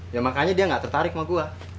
ya makanya dia nggak tertarik sama gue